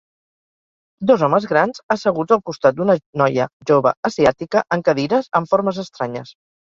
Dos homes grans asseguts al costat d'una noia jove asiàtica en cadires amb formes estranyes.